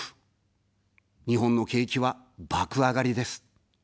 日本の景気は爆あがりです。